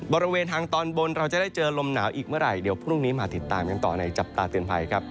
บริเวณทางตอนบนเราจะได้เจอลมหนาวอีกเมื่อไหร่เดี๋ยวพรุ่งนี้มาติดตามกันต่อในจับตาเตือนภัยครับ